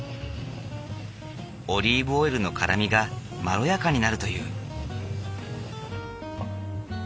オリーブオイルの辛みがまろやかになるという。